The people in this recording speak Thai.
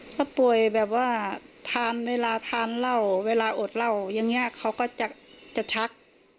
ถ้าป่วยแบบว่าทานเวลาทานเหล้าเวลาอดเหล้าอย่างนี้เขาก็จะชัก